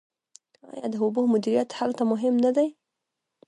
آیا د اوبو مدیریت هلته مهم نه دی؟